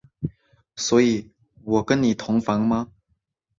所以我跟你同房吗？